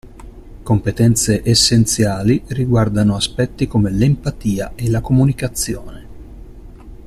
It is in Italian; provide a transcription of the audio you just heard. Competenze essenziali riguardano aspetti come l'empatia e la comunicazione.